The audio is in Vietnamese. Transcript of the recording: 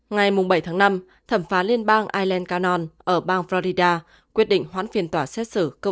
ngày bảy tháng năm thẩm phán liên bang allen cannon ở bang florida quyết định hoãn phiền tỏa xét xử cậu